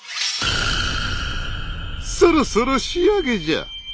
そろそろ仕上げじゃ。